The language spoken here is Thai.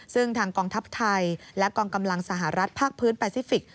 ซึ่งทางกองทัพไทยและกองกำลังสหรัฐภาคพื้นแปซิฟิกส